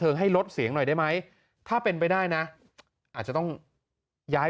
ให้ลดเสียงหน่อยได้ไหมถ้าเป็นไปได้นะอาจจะต้องย้าย